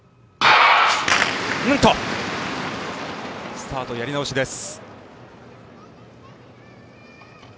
スタートのやり直しです。